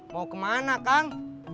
mau kemana kang